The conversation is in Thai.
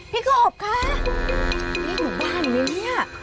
พี่กบค่ะนี่หนูบ้านเนี่ย